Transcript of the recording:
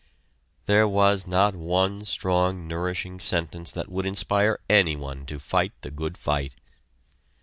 There was not one strong nourishing sentence that would inspire anyone to fight the good fight.